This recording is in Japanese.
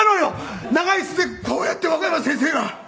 長椅子でこうやって若山先生が。